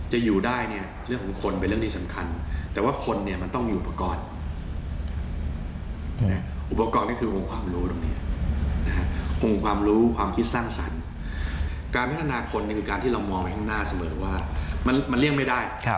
เห็นภาพชัดสุด